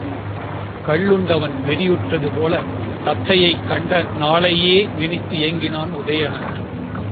கள்ளுண்டவன் வெறியுற்றதுபோலத் தத்தையைக் கண்ட நாளையே நினைத்து ஏங்கினான் உதயணன்.